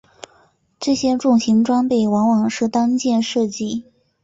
这些重型装备往往是单件设计。